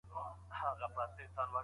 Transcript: پوښتنې په بې حکمتۍ سره مه مطرح کوئ.